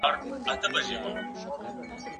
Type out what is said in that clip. پلان جوړونه هېواد ته نظم ورکوي.